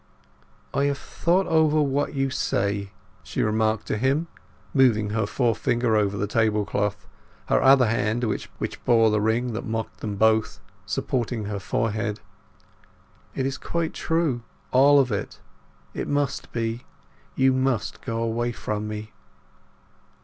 "I have thought over what you say," she remarked to him, moving her forefinger over the tablecloth, her other hand, which bore the ring that mocked them both, supporting her forehead. "It is quite true, all of it; it must be. You must go away from me."